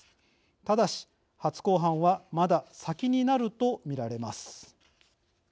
ただし、初公判はまだ先になると見られます。